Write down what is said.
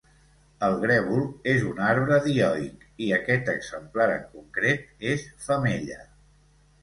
El grèvol és un arbre dioic i aquest exemplar, en concret, és femella.